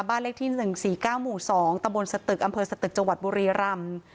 เลขที่๑๔๙หมู่๒ตะบนสตึกอำเภอสตึกจังหวัดบุรีรำ